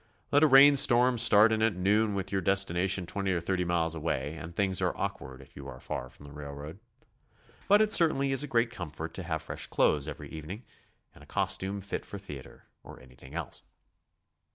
Let a rain storm start in at noon with your des tination 20 or 30 miles away and things are awkward if you are far from the railroad. But it certainly is a great comfort to have fresh clothes every evening, and a costume fit for theatre or anything else.